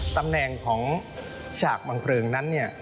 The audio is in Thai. ตำแหน่งของฉาขมังเพลิงนั้น